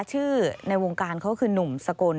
ในวงการเขาคือนุ่มสกล